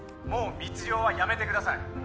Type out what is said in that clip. もう密漁はやめてください